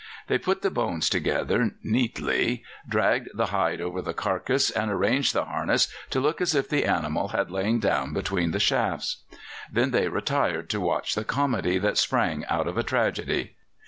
They put the bones together neatly, dragged the hide over the carcass, and arranged the harness to look as if the animal had lain down between the shafts. Then they retired to watch the comedy that sprang out of a tragedy.